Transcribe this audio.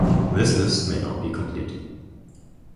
This list may not be complete.